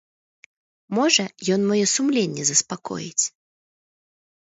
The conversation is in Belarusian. Можа, ён маё сумленне заспакоіць.